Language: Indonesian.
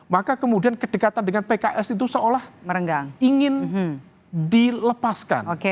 maka kemudian kedekatan dengan pks itu seolah ingin dilepaskan